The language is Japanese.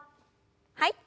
はい。